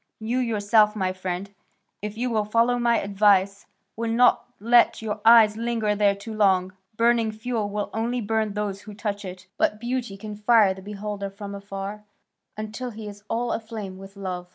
You yourself, my friend, if you will follow my advice, will not let your own eyes linger there too long; burning fuel will only burn those who touch it, but beauty can fire the beholder from afar, until he is all aflame with love."